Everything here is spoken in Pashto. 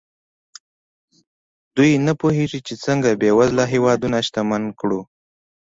دوی نه پوهېږي چې څنګه بېوزله هېوادونه شتمن کړو.